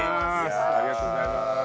ありがとうございます。